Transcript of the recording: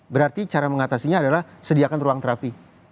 berarti cara mengatasinya adalah sediakan ruang terapi